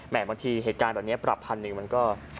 แม้บางทีเหตุการณ์แบบนี้ปรับ๑๐๐๐บาทมันก็